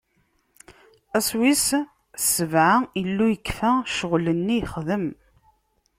Ass wis sebɛa, Illu yekfa ccɣwel-nni yexdem.